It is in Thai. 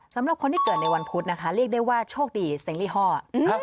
สำหรับคนที่เกิดในวันพุธนะคะเรียกได้ว่าโชคดีเซ็งลี่ห้อ